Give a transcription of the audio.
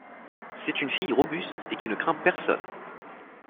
C'est une fille robuste, et qui ne craint personne!